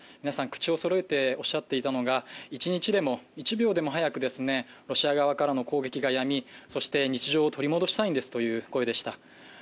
皆さん口をそろえておっしゃっていたのが、一日でも、一秒でも早くロシア側からの攻撃がやみ、日常を取り戻したいんですという声でした。